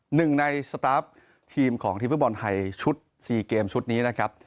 หนึ่งในสตาฟทีมของทีมฟุตบอลไทยชุด๔เกมชุดนี้นะครับ